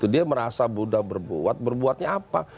dia merasa buddha berbuat berbuatnya apa